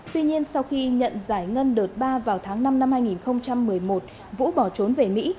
tuy nhiên sau khi nhận giải ngân đợt ba vào tháng năm năm hai nghìn một mươi một vũ bỏ trốn về mỹ